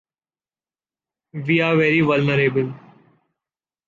We are very vulnerable.